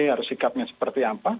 harus sikapnya seperti apa